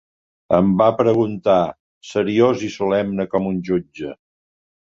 Em va preguntar, seriós i solemne com un jutge.